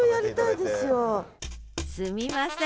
すみません